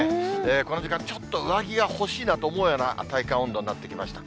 この時間、ちょっと上着が欲しいなと思うような体感温度になってきました。